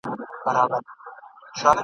ما یاغي قلم ته د عقاب شهپر اخیستی دی !.